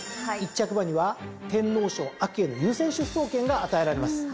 １着馬には天皇賞への優先出走権が与えられます。